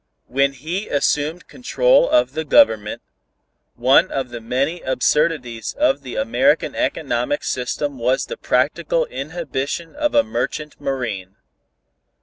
When he assumed control of the Government, one of the many absurdities of the American economic system was the practical inhibition of a merchant marine.